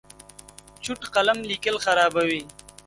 چوټ قلم لیکل خرابوي.